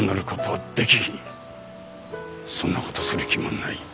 そんな事する気もない。